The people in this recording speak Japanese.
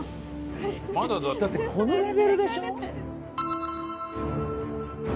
だってこのレベルでしょ？